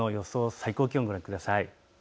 最高気温をご覧ください。